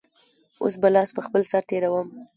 اوس به لاس په خپل سر تېروم.